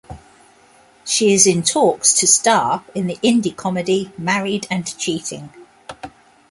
She is in talks to star in the indie comedy "Married and Cheating".